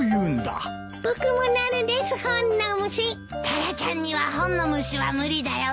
タラちゃんには本の虫は無理だよ。